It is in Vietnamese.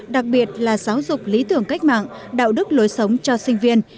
đặc biệt là giáo dục lý tưởng cách mạng đạo đức lối sống cho sinh viên